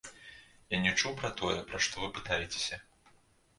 Я не чуў пра тое, пра што вы пытаецеся.